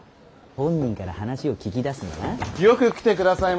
本人から話を聞き出すんだな？